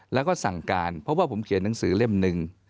แล้วก็สั่งการเพราะว่าผมเขียนหนังสือเล่มหนึ่ง